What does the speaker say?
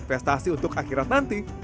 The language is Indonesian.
investasi untuk akhirat nanti